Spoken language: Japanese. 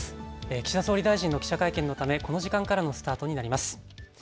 岸田総理大臣の記者会見のためこの時間からのスタートになります。